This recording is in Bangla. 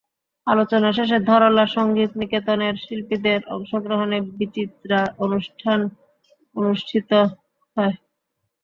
আলোচনা শেষে ধরলা সংগীত নিকেতনের শিল্পীদের অংশগ্রহণে বিচিত্রা অনুষ্ঠান অনুষ্ঠিত হয়।